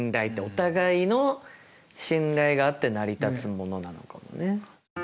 お互いの信頼があって成り立つものなのかもね。